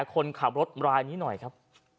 คนขับรถรายนี้หน่อยครับ